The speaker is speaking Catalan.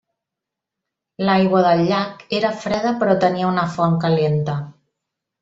L'aigua del llac era freda però tenia una font calenta.